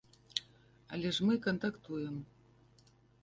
Але ж мы кантактуем.